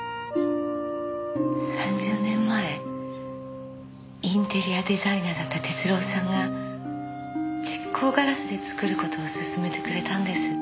３０年前インテリアデザイナーだった徹郎さんが蓄光ガラスで作る事を勧めてくれたんです。